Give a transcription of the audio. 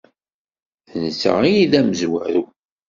D netta ay d amezwaru.